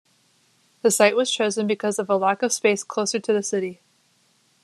The site was chosen because of a lack of space closer to the city.